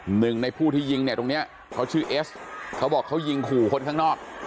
หนึ่งในผู้ที่ยิงเนี่ยตรงเนี้ยเขาชื่อเอสเขาบอกเขายิงขู่คนข้างนอก